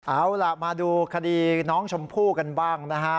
เอาล่ะมาดูคดีน้องชมพู่กันบ้างนะฮะ